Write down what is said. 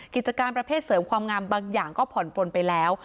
กิจการประเภทเสริมความงามบางอย่างก็ผ่อนปลนไปแล้ว